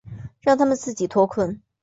先让自己脱困